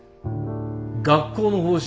学校の方針